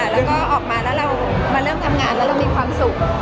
แล้วก็ออกมาแล้วเรามาเริ่มทำงานแล้วเรามีความสุข